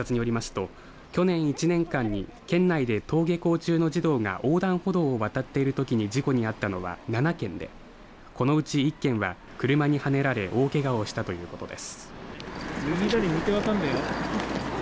警察によりますと去年１年間に県内で登下校中の児童が横断歩道を渡っているときに事故に遭ったのは７件でこのうち１件は、車にはねられ大けがをしたということです。